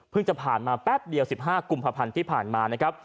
พึ่งจะผ่านมาแป๊บเดียว๑๕กุมภาพันธุ์ที่ผ่านมา